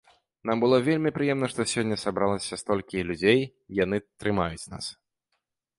Нам было вельмі прыемна, што сёння сабралася столькі людзей, яны трымаюць нас.